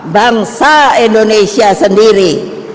bangsa indonesia sendiri